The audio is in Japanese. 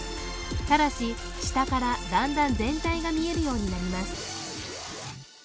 ただし下からだんだん全体が見えるようになります